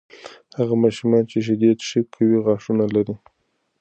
هغه ماشومان چې شیدې څښي، قوي غاښونه لري.